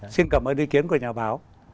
xin cảm ơn ý kiến của nhà báo